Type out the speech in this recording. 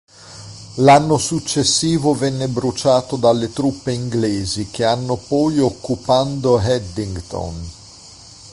L'anno successivo venne bruciato dalle truppe inglesi che hanno poi occupando Haddington.